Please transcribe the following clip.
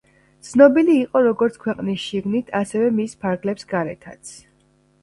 ცნობილი იყო, როგორც ქვეყნის შიგნით, ასევე მის ფარგლებს გარეთაც.